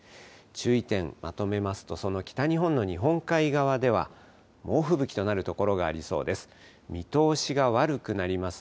注意点、まとめますと、その北日本の日本海側では、猛吹雪となる所がありそうです。